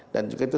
dan juga itu